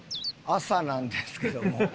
朝なんですけども。